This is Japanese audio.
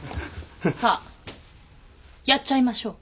さあやっちゃいましょう。